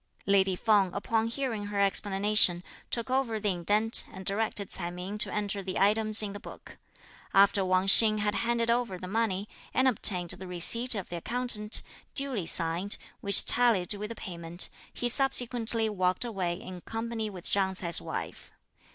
Lady Feng, upon hearing her explanation, took over the indent, and directed Ts'ai Ming to enter the items in the book. After Wang Hsing had handed over the money, and obtained the receipt of the accountant, duly signed, which tallied with the payment, he subsequently walked away in company with Chang Ts'ai's wife.